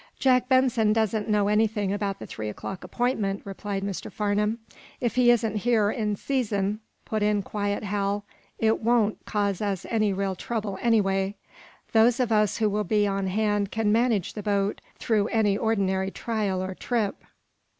"Jack Benson doesn't know anything about the three o'clock appointment," replied Mr. Farnum. "If he isn't here in season," put in quiet Hal, "it won't cause us any real trouble, anyway. Those of us who will be on hand can manage the boat through any ordinary trial or trip."